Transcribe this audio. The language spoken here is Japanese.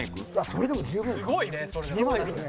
それでも十分か。